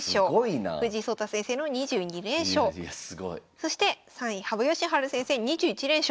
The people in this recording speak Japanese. そして３位羽生善治先生２１連勝。